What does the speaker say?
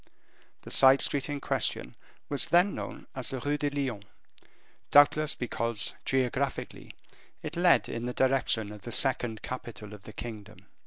The side street in question was then known as the Rue de Lyon, doubtless because, geographically, it led in the direction of the second capital of the kingdom.